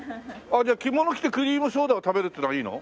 じゃあ着物着てクリームソーダを食べるっていうのがいいの？